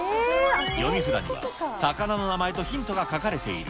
読み札には魚の名前とヒントが書かれている。